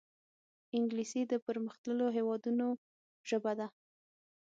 انګلیسي د پرمختللو هېوادونو ژبه ده